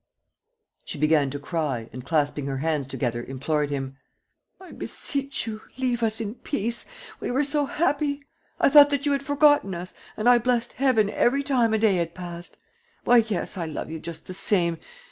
She began to cry and, clasping her hands together, implored him: "I beseech you, leave us in peace. We were so happy! I thought that you had forgotten us and I blessed Heaven every time a day had passed. Why, yes ... I love you just the same.